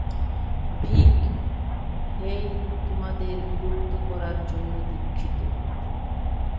ভিক, hey তোমাদের বিরক্ত করার জন্য দুঃখিত।